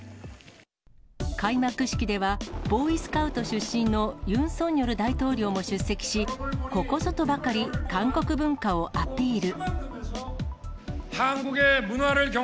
開幕式では、ボーイスカウト出身のユン・ソンニョル大統領も出席し、ここぞとばかり、韓国文化をアピール。